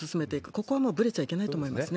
ここはぶれちゃいけないと思いますね。